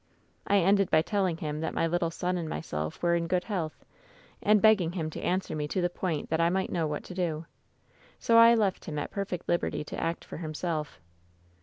I ended by telling him that my little son and myself were in good health, and begging him to answer me to the point that I might know what to do. So I left him at perfect liberty to act for himself.